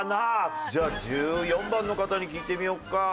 じゃあ１４番の方に聞いてみようか。